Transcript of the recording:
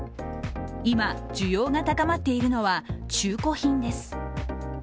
今、需要が高まっているのは中古品です。